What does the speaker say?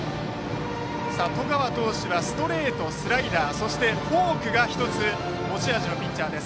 十川投手はストレート、スライダーそして、フォークが１つ持ち味のピッチャーです。